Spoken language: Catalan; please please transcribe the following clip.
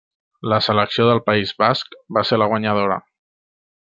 La selecció del País Basc va ser la guanyadora.